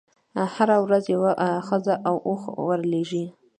هره ورځ یوه ښځه او اوښ ورلېږي.